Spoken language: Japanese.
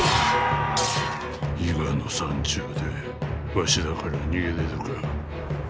伊賀の山中でわしらから逃げれるか。